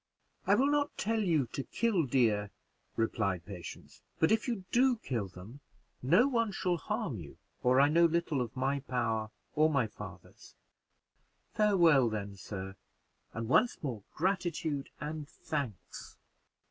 "I will not tell you to kill deer," replied Patience; "but if you do kill them no one shall harm you or I know little of my power or my father's. Farewell then, sir, and once more gratitude and thanks."